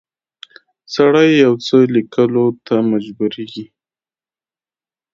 سړی یو څه لیکلو ته مجبوریږي.